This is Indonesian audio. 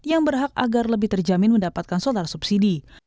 yang berhak agar lebih terjamin mendapatkan solar subsidi